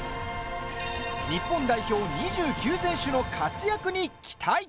日本代表２９選手の活躍に期待。